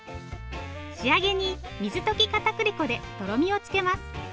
仕上げに水溶きかたくり粉でとろみをつけます。